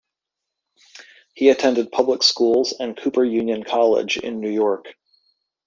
He attended public schools and Cooper Union College in New York.